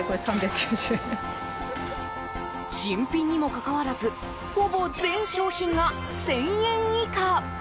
新品にもかかわらずほぼ全商品が１０００円以下。